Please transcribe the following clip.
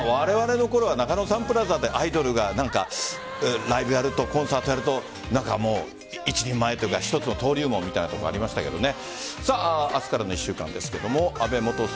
これまでは中野サンプラザでアイドルがライブをやるとコンサートをやると一人前というか一つの登竜門みたいなところありましたけどね。